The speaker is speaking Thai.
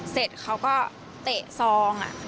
เสร็จเขาก็เตะซอง